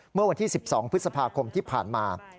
เมื่อวันที่๑๒พฤษภาคมที่ผ่านมา